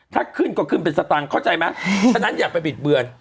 ถ้าขึ้นก็ขึ้นเป็นสตางค์เข้าใจไหมฉะนั้นอย่าไปบิดเบือน